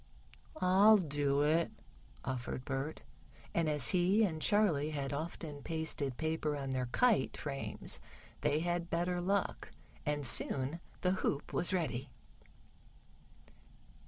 "I'll do it," offered Bert, and as he and Charley had often pasted paper on their kite frames they had better luck, and soon the hoop was ready.